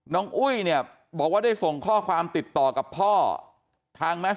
น้องอุ้ยบอกว่าได้ข้อความติดต่อกับพ่อทางแม้ก